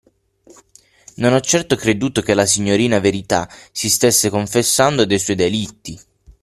Non ho certo creduto che la signorina Verità si stesse confessando dei suoi delitti!